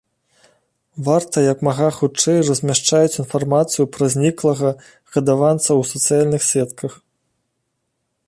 Варта як мага хутчэй размяшчаюць інфармацыю пра зніклага гадаванца ў сацыяльных сетках.